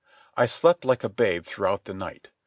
I slept like a babe throughout the night.